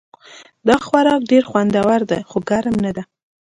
دا خوراک ډېر خوندور ده خو ګرم نه ده